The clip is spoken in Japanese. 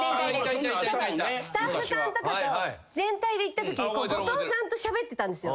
スタッフさんとかと全体で行ったときに後藤さんとしゃべってたんですよ